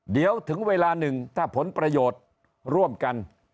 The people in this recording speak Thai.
เดี๋ยวถึงเวลาหนึ่งถ้าผลประโยชน์ร่วมกัน